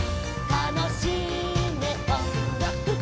「たのしいねおんがくかい」